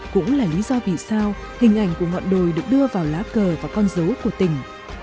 cũng là lý do vì sao hình ảnh của ngọn đồi được đưa vào lá cờ và con dấu của tỉnh